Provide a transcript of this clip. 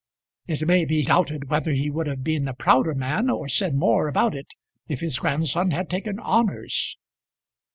It may be doubted whether he would have been a prouder man or said more about it if his grandson had taken honours.